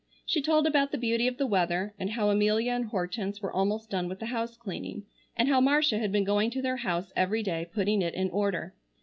She told about the beauty of the weather, and how Amelia and Hortense were almost done with the house cleaning, and how Marcia had been going to their house every day putting it in order.